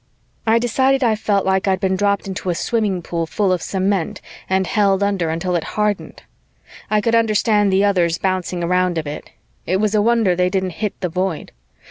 I decided I felt like I'd been dropped into a swimming pool full of cement and held under until it hardened. I could understand the others bouncing around a bit. It was a wonder they didn't hit the Void.